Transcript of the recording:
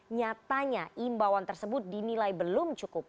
nyatanya imbauan tersebut dinilai belum cukup